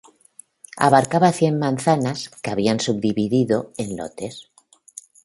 Abarcaba cien manzanas, que se habían subdivididos en lotes.